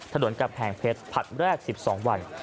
ถนนกำแพงเพชรผัดแรก๑๒วัน